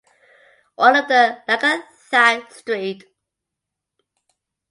All of the Langenthal–St.